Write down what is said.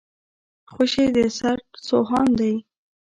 خوشي د سرت سو هان دی.